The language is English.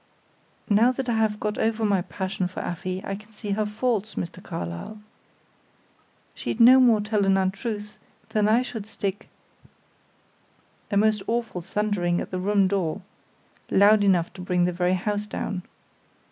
"Now that I have got over my passion for Afy, I can see her faults, Mr. Carlyle. She'd no more tell an untruth than I should stick " A most awful thundering at the room door loud enough to bring the very house down.